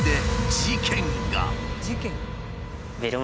事件？